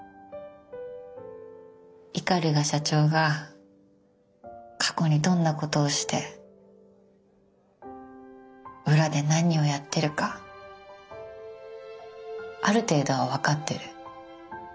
鵤社長が過去にどんなことをして裏で何をやってるかある程度は分かってる。